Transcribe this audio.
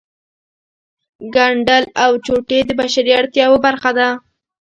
ګنډل او چوټې د بشري اړتیاوو برخه ده